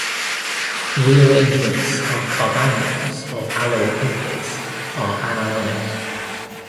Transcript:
Rearrangements of carbanions of allyl ethers are anionic.